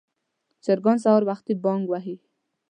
چرګان سهار وختي بانګ وهي.